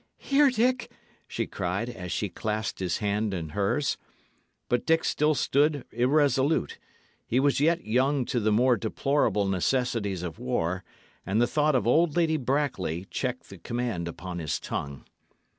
"Here, Dick!" she cried, as she clasped his hand in hers. But Dick still stood irresolute; he was yet young to the more deplorable necessities of war, and the thought of old Lady Brackley checked the command upon his tongue.